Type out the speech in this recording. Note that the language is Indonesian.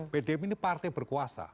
pdip ini partai berkuasa